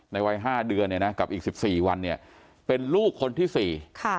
ในวัย๕เดือนกับอีก๑๔วันเป็นลูกคนที่๔